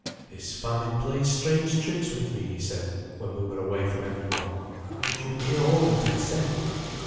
"This famine plays strange tricks with me," he said when we were away from every one. "Did you hear all that I said?"